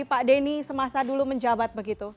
pak denny semasa dulu menjabat begitu